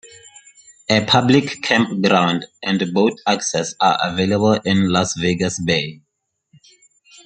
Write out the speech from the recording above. A public campground and boat access are available in Las Vegas Bay.